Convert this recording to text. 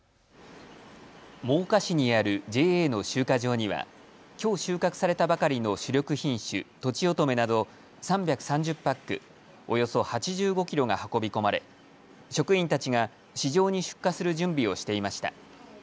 真岡市にあるＪＡの集荷場にはきょう収穫されたばかりの主力品種、とちおとめなど３３０パック、およそ８５キロが運び込まれ職員たちが市場に出荷する準備をしていました。